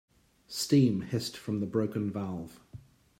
Steam hissed from the broken valve.